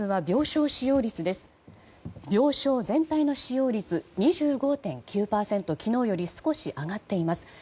病床全体の使用率２５．９％と昨日より少し上がっています。